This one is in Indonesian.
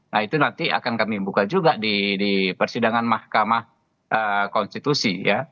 nah itu nanti akan kami buka juga di persidangan mahkamah konstitusi